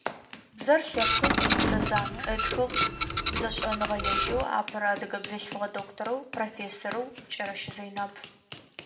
«Бзэр лъэпкъым ыпсэ зан»,- ытхыгъ бзэшӏэныгъэлэжьэу апэрэ адыгэ бзылъфыгъэ докторэу профессорэу Кӏэрэщэ Зэйнаб.